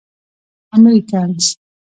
امريکنز.